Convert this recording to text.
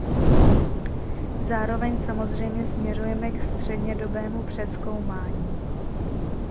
Zároveň samozřejmě směřujeme k střednědobému přezkoumání.